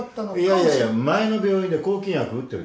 いやいや前の病院で抗菌薬打ってる。